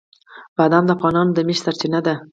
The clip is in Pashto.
بادام د افغانانو د معیشت سرچینه ده.